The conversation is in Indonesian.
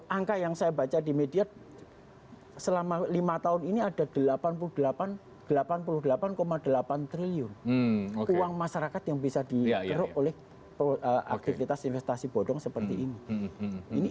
angka yang saya baca di media selama lima tahun ini ada delapan puluh delapan delapan triliun uang masyarakat yang bisa digeruk oleh aktivitas investasi bodong seperti ini